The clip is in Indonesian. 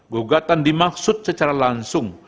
gugatan dimaksud secara langsung